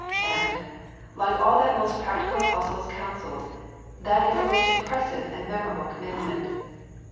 And, like all that most practical apostle's counsels, that is a most impressive and memorable commandment.